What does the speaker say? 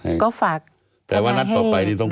แต่ว่านัดต่อไปนี่ต้องไป